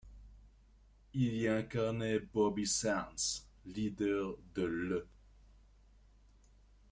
Il y incarnait Bobby Sands, leader de l'.